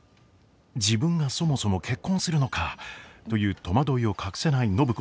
自分がそもそも結婚するのか？という戸惑いを隠せない暢子ですが。